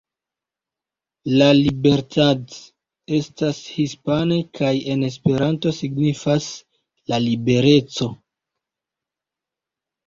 La Libertad estas hispane kaj en Esperanto signifas "La libereco".